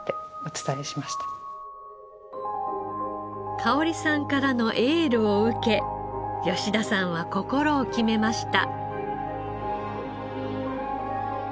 かをりさんからのエールを受け吉田さんは心を決めました。